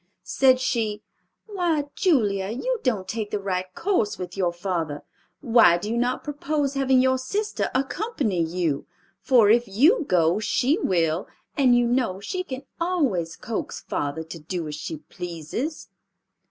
Said she, "Why, Julia, you don't take the right course with your father. Why do you not propose having your sister accompany you? For, if you go, she will, and you know she can always coax father to do as she pleases."